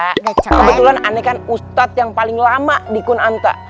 kebetulan aneh kan ustadz yang paling lama di kunanta